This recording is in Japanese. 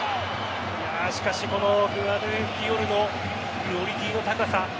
しかし、このグヴァルディオルのクオリティーの高さ。